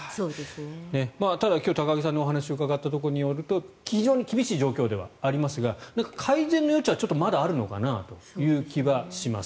ただ、今日高木さんにお話を伺ったところによると非常に厳しい状況ではありますが改善の余地はまだあるのかなという気はします。